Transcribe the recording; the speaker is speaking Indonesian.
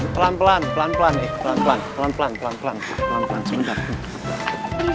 pelan pelan pelan pelan ya pelan pelan pelan pelan pelan pelan pelan pelan sebentar